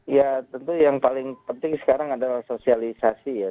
ya tentu yang paling penting sekarang adalah sosialisasi ya